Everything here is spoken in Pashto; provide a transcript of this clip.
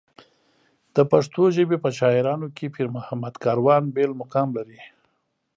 د پښتو ژبې په شاعرانو کې پېرمحمد کاروان بېل مقام لري.